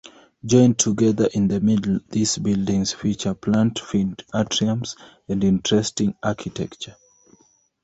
Joined together in the middle, these buildings feature plant-filled atriums and interesting architecture.